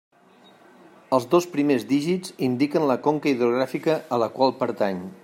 Els dos primers dígits indiquen la conca hidrogràfica a la qual pertany.